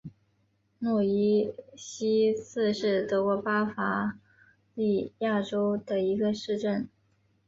诺伊西茨是德国巴伐利亚州的一个市镇。